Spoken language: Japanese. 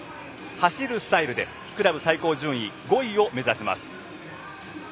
走るスタイルでクラブ最高順位５位を目指します。